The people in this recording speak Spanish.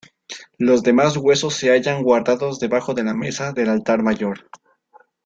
Los demás huesos se hallan guardados debajo de la mesa del altar mayor.